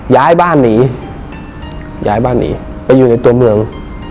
ย้ายบ้านหนีย้ายบ้านหนีไปอยู่ในตัวเมือง